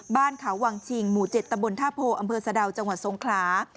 บ้านเขาวังชิงหมู่๗ตำบลท่าโพอำเภอสะดาวจังหวัดทรงคลา